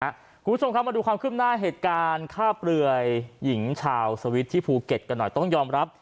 คุณผู้ชมครับมาดูความขึ้นหน้าเหตุการณ์ฆ่าเปลือยหญิงชาวสวิตช์ที่ภูเก็ตกันหน่อยต้องยอมรับ